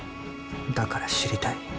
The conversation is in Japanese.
だから知りたい。